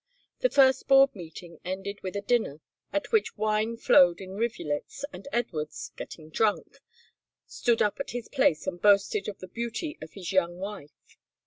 The first board meeting ended with a dinner at which wine flowed in rivulets and Edwards, getting drunk, stood up at his place and boasted of the beauty of his young wife.